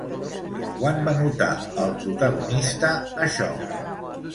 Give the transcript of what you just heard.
Quan va notar el protagonista això?